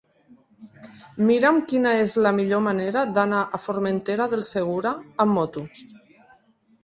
Mira'm quina és la millor manera d'anar a Formentera del Segura amb moto.